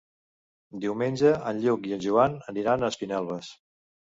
Diumenge en Lluc i en Joan aniran a Espinelves.